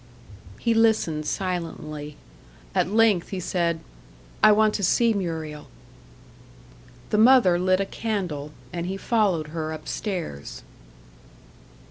He listened silently. At length he said, "I want to see Muriel." The mother lit a candle, and he followed her up stairs.